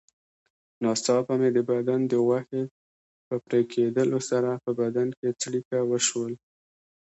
ناڅاپه مې د بدن د غوښې په پرېکېدلو سره په بدن کې څړیکه وشول.